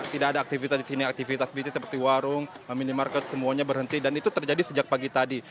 tidak ada aktivitas di sini aktivitas bisnis seperti warung minimarket semuanya berhenti dan itu terjadi sejak pagi tadi